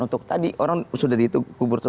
untuk tadi orang sudah dikubur